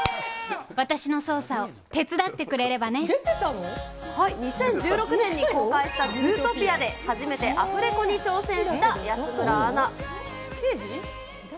私の捜査を手伝ってくれれば２０１６年に公開したズートピアで、初めてアフレコに挑戦した安村アナ。